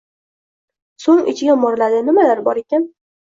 soʻng ichiga moʻraladi: nimalar bor ekan?